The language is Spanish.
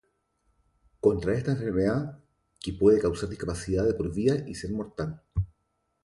contraer esta enfermedad que puede causar discapacidad de por vida y ser mortal